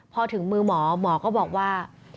พอถึงมือหมอหมอก็บอกว่า